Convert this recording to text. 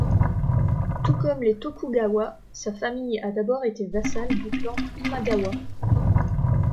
Tout comme les Tokugawa, sa famille a d'abord été vassale du clan Imagawa.